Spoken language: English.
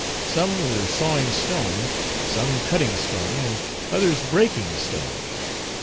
Some were sawing stone, some cutting stone, and others breaking stone.